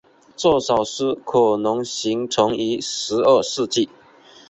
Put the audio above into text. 这首诗可能形成于十二世纪。